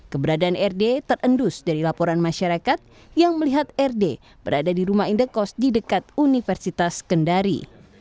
keberadaan rd terendus dari laporan masyarakat yang melihat rd berada di rumah indekos di dekat universitas kendari